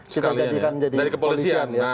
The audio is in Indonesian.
sekalian ya dari kepolisian